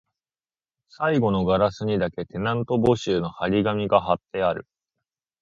最後のガラスにだけ、テナント募集の張り紙が張ってある